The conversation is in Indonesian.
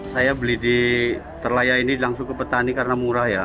saya beli di terlaya ini langsung ke petani karena murah ya